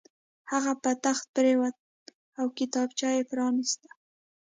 هغه په تخت پرېوت او کتابچه یې پرانیسته